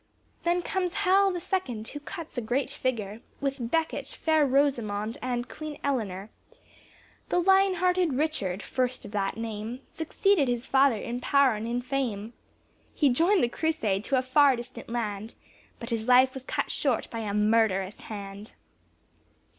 Then comes Hal the second, who cuts a great figure With Becket, fair Rosamond and Queen Eliner. The Lion hearted Richard, first of that name, Succeeded his father in power and in fame; He joined the Crusade to a far distant land But his life was cut short by a murderous hand.